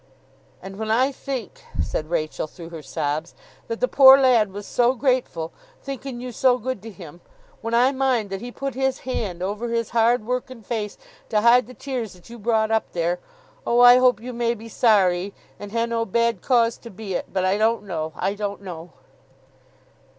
'And when I think,' said Rachael through her sobs, 'that the poor lad was so grateful, thinkin you so good to him—when I mind that he put his hand over his hard worken face to hide the tears that you brought up there—Oh, I hope you may be sorry, and ha' no bad cause to be it; but I don't know, I don't know!